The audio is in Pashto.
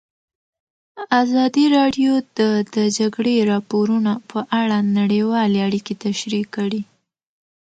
ازادي راډیو د د جګړې راپورونه په اړه نړیوالې اړیکې تشریح کړي.